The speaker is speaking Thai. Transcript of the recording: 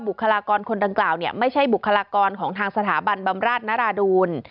คลากรคนดังกล่าวเนี่ยไม่ใช่บุคลากรของทางสถาบันบำราชนราดูล